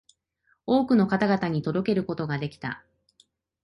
多くの方々に届けることができた